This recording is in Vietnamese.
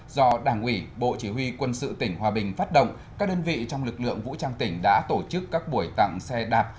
do đảng ủy bộ chỉ huy quân sự tỉnh hòa bình phát động các đơn vị trong lực lượng vũ trang tỉnh đã tổ chức các buổi tặng xe đạp